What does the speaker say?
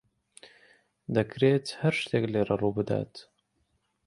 دەکرێت هەر شتێک لێرە ڕووبدات.